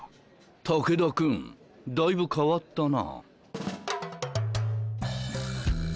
武田君だいぶ変わったな。